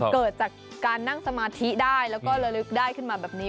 เกิดจากการนั่งสมาธิได้แล้วก็ระลึกได้ขึ้นมาแบบนี้